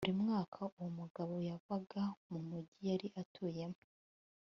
buri mwaka, uwo mugabo yavaga mu mugi yari atuyemo